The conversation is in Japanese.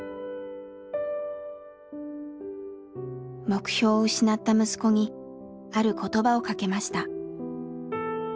目標を失った息子にある言葉をかけました。